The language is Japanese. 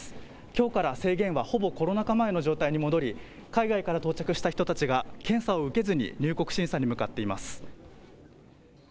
きょうから制限はほぼコロナ禍前の状態に戻り海外から到着した人たちが検査を受けずに入国審査に向かっています。